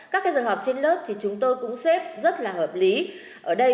các cái giờ họp trên lớp thì chúng tôi cũng xếp rất là hợp lý ở đây